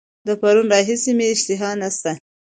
د پرون راهیسي مي اشتها نسته.